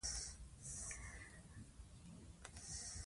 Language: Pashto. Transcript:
د نوي کور جوړول لوی لګښت لري.